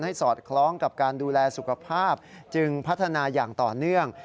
สอดคล้องกับการดูแลสุขภาพจึงพัฒนาอย่างต่อเนื่อง